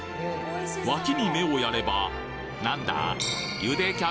脇に目をやればなんだ？